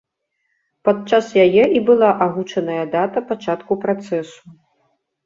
Падчас яе і была агучаная дата пачатку працэсу.